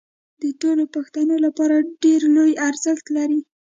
د ټولو پښتنو لپاره ډېر لوی ارزښت لري